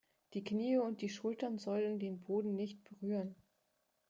Die Knie und die Schultern sollen den Boden nicht berühren.